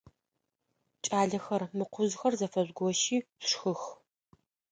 Кӏалэхэр, мы къужъхэр зэфэжъугощи, шъушхых!